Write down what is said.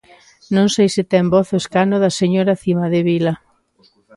Non sei se ten voz o escano da señora Cimadevila.